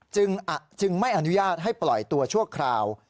จึงไม่อนุญาตให้ปล่อยตัวชั่วคราว